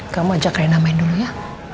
kamu ajak rena main dulu ya